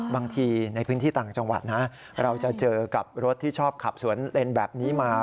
บางทีในพื้นที่ต่างจังหวัดนะเราจะเจอกับรถที่ชอบขับสวนเลนแบบนี้มา